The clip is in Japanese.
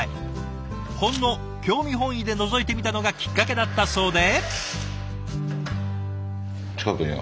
ほんの興味本位でのぞいてみたのがきっかけだったそうで。